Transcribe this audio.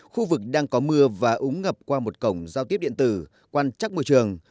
khu vực đang có mưa và úng ngập qua một cổng giao tiếp điện tử quan trắc môi trường